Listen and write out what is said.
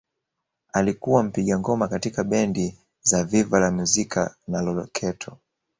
Alikuwa mpiga ngoma katika bendi za Viva la Musica na Loketo